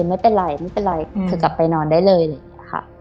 ไม่เป็นไรไม่เป็นไรคือกลับไปนอนได้เลยค่ะ